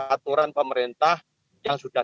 aturan pemerintah yang sudah